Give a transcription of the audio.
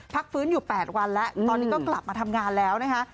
พักฟื้นอยู่๘วันแล้วตอนนี้ก็กลับมาทำงานแล้วนะคะ